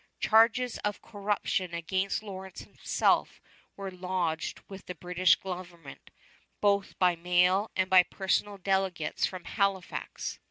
Charges of corruption against Lawrence himself were lodged with the British government both by mail and by personal delegates from Halifax.